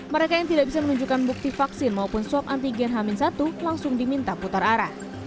mereka yang tidak bisa menunjukkan bukti vaksin maupun swab antigen hamil satu langsung diminta putar arah